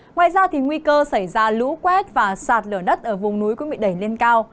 ngoài ra nguy cơ xảy ra lũ quét và sạt lở đất ở vùng núi cũng bị đẩy lên cao